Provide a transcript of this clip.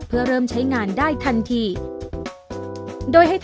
เพื่อเริ่มใช้งานได้ทันที